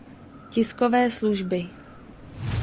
Tiskové služby.